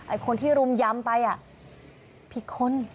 คนที่รุมยำไปอ่ะผิดคน